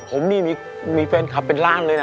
ผมนี่มีแฟนคลับเป็นร่างเลยนะ